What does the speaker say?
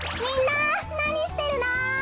みんななにしてるの？